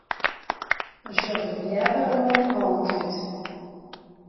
Dan sjoch ik leaver in oare kant út.